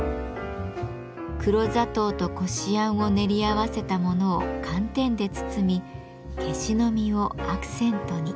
黒砂糖とこしあんを練り合わせたものを寒天で包みケシの実をアクセントに。